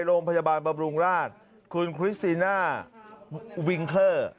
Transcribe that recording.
โรงพยาบาลบำรุงราชคุณคริสติน่าวิงเคอร์